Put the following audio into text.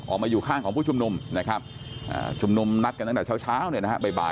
อยู่ข้างของผู้ชุมนุมนะครับชุมนุมนัดกันตั้งแต่เช้าเนี่ยนะฮะบ่าย